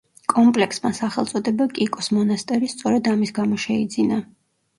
კომპლექსმა სახელწოდება კიკოს მონასტერი სწორედ ამის გამო შეიძინა.